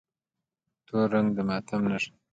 تور رنګ د ماتم نښه ده.